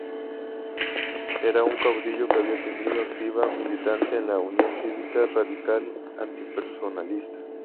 Era un caudillo que había tenido activa militancia en la Unión Cívica Radical Antipersonalista.